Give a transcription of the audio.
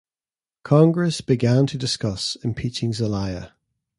Congress began to discuss impeaching Zelaya.